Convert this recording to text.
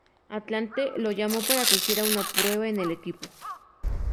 Atlante lo llamó para que hiciera una prueba en el equipo.